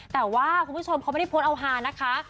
แต่ว่าคุณผู้ชมเขาไม่ได้โพสต์เอาฮานะคะ